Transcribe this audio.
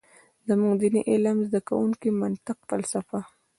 زمونږ ديني علم زده کوونکي منطق ، فلسفه ،